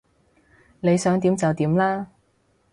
你想點就點啦